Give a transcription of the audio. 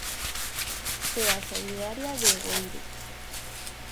Cea solidaria de Egueire.